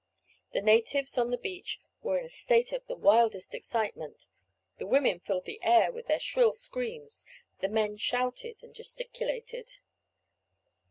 The natives on the beach were in a state of the wildest excitement; the women filled the air with their shrill screams, the men shouted and gesticulated.